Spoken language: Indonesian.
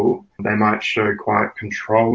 perasaan yang cukup mengontrol